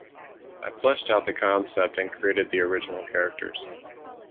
I fleshed out the concept and created the original characters.